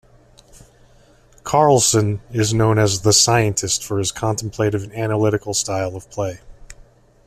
Karlsson is known as "The Scientist" for his contemplative and analytical style of play.